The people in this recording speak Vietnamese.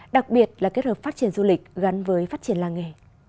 đặc biệt là kết hợp phát triển du lịch gắn với phát triển làng nghề